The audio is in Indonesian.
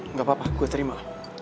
nggak apa apa gue terima